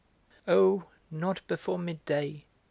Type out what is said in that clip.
"Oh! not before midday!"